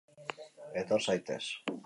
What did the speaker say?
Etor zaitez!